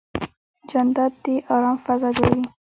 جانداد د ارام فضا جوړوي.